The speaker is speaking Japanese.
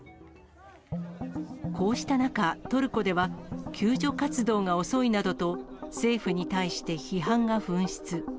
こうした中、トルコでは、救助活動が遅いなどと、政府に対して批判が噴出。